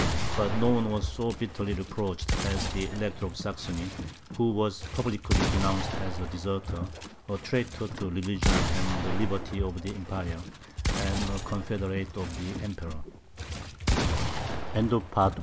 But no one was so bitterly reproached as the Elector of Saxony, who was publicly denounced as a deserter, a traitor to religion and the liberties of the Empire, and a confeder